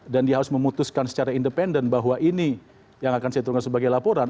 dan dia harus memutuskan secara independen bahwa ini yang akan saya tunggu sebagai laporan